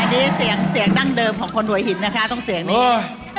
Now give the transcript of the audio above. อันนี้เสียงเสียงดั้งเดิมของคนหัวหินนะคะต้องเสียงนี้